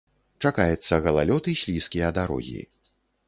Чакаецца галалёд і слізкія дарогі.